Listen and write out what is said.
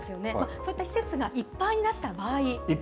そういった施設がいっぱいになった場合。